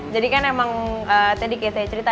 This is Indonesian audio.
jadi kan emang tadi kayak saya cerita